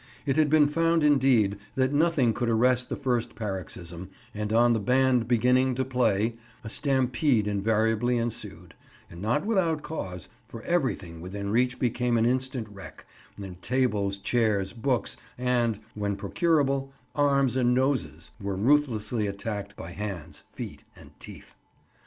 It had been found, indeed, that nothing could arrest the first paroxysm, and on the "band beginning to play," a stampede invariably ensued: and not without cause, for everything within reach became an instant wreck, and tables, chairs, books, and (when procurable) arms and noses, were ruthlessly attacked by hands, feet, and teeth.